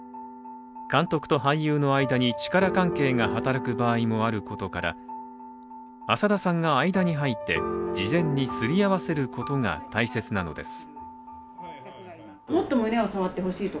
監督と俳優の間に力関係が働く場合もあることから浅田さんが間に入って事前にすり合わせることが大切なのです。